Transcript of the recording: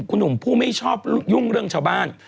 คุณหนุ่มผู้ไม่ชอบยุ่งเรื่องชาวบ้าน